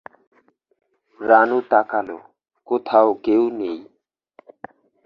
রানু তাকাল, কোথাও কেউ নেই।